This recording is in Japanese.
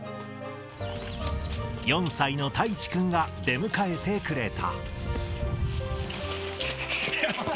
４歳の泰地くんが出迎えてくれた。